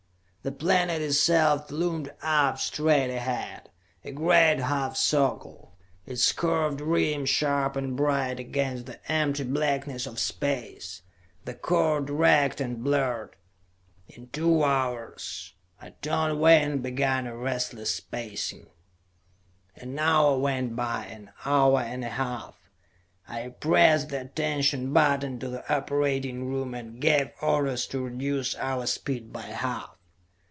The planet itself loomed up straight ahead, a great half circle, its curved rim sharp and bright against the empty blackness of space; the chord ragged and blurred. In two hours ... I turned away and began a restless pacing. An hour went by; an hour and a half. I pressed the attention button to the operating room, and gave orders to reduce our speed by half.